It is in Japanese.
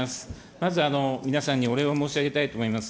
まず皆さんにお礼を申し上げたいと思います。